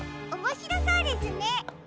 おもしろそうですね。